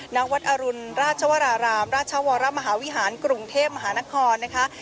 ณวัดอรุณราชวรารามราชวรมหาวิหารกรุงเทพมหานครนะคะ